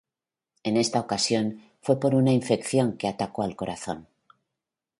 En esta ocasión fue por una infección que atacó al corazón.